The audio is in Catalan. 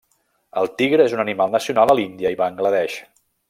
El tigre és un animal nacional a l'Índia i Bangla Desh.